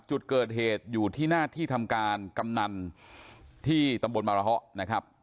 จุดเกิดเหตุอยู่ที่หน้าที่ทำการกำนันที่ตำบลมารเฮะนะครับ